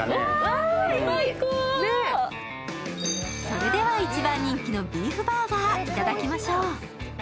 それでは、一番人気のビーフバーガーいただきましょう。